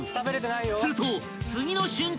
［すると次の瞬間］